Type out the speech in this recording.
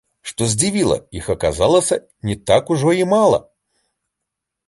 Што здзівіла, іх аказалася не так ужо і мала.